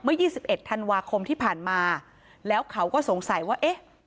ยี่สิบเอ็ดธันวาคมที่ผ่านมาแล้วเขาก็สงสัยว่าเอ๊ะ